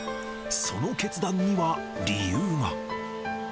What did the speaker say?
その決断には理由が。